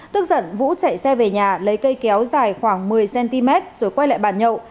tức giận vũ chạy xe về nhà lấy cây kéo dài khoảng một mươi cm rồi quay lại bàn nhậu